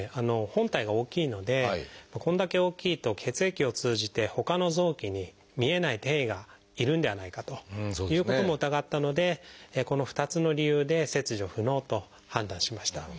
本体が大きいのでこれだけ大きいと血液を通じてほかの臓器に見えない転移がいるんではないかということも疑ったのでこの２つの理由で切除不能と判断しました。